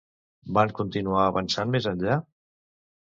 Van continuar avançant més enllà?